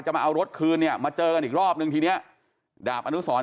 มาเอารถคืนเนี่ยมาเจอกันอีกรอบนึงทีเนี้ยดาบอนุสร